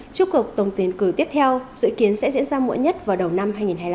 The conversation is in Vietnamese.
trúc cực tổng tuyển cử tiếp theo dự kiến sẽ diễn ra muộn nhất vào đầu năm hai nghìn hai mươi năm